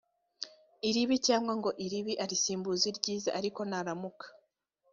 iribi cyangwa ngo iribi arisimbuze iryiza ariko naramuka